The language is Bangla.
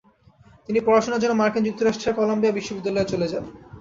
তিনি পড়াশোনার জন্য মার্কিন যুক্তরাষ্ট্রের কলাম্বিয়া বিশ্ববিদ্যালয়ে চলে যান।